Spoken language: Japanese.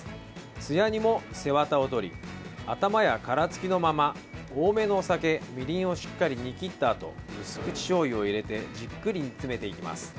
つや煮も、背ワタを取り頭や、殻付きのまま多めのお酒、みりんをしっかり煮切ったあとうす口しょうゆを入れてじっくり煮詰めていきます。